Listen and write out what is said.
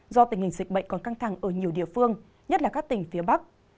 do tình hình dịch bệnh còn căng thẳng ở nhiều địa phương nhất là các tỉnh phía bắc